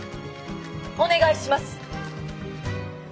お願いします。